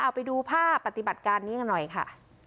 เอาไปดูภาพปฏิบัติการนี้กันหน่อยค่ะ